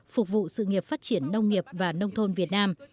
phục vụ sự nghiệp phát triển nông nghiệp và nông thôn việt nam